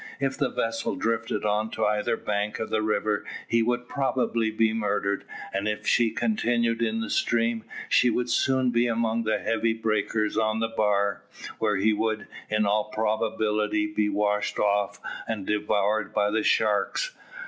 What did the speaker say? If the vessel drifted on to either bank of the river, he would probably be murdered, and if she continued in the stream, she would soon be among the heavy breakers on the bar, where he would, in all probability, be washed off and devoured by the sharks.